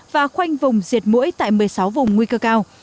và khoanh vùng diệt mũi tại một mươi sáu vùng nguy cơ cao